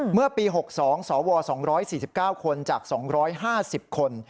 เมื่อปี๖๒สว๒๔๙คนจาก๒๕๐คน